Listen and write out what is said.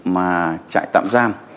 mà chạy tạm giam